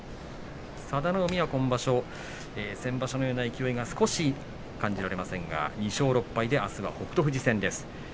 佐田の海は今場所、先場所のような勢いが少し感じられませんが２勝６敗であすは北勝富士戦です。